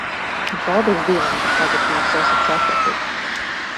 Nu, paldies Dievam, ka tagad jūs esat sapratuši.